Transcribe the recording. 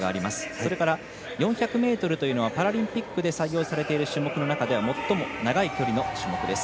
それから、４００ｍというのはパラリンピックで採用されている種目の中では最も長い距離の種目です。